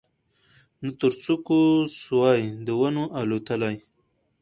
نه تر څوکو سوای د ونو الوتلای